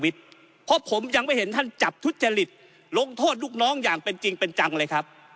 ทุจจริตลงโทษลูกน้องอย่างเป็นจริงเป็นจังเลยครับ